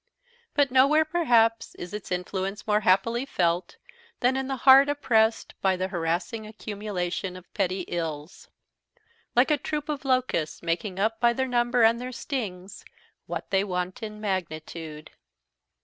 But nowhere, perhaps, is its influence more happily felt than in the heart oppressed by the harassing accumulation of petty ills; like a troop of locusts, making up by their number and their stings what they want in magnitude.